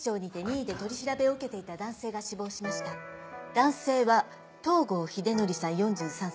男性は東郷英憲さん４３歳。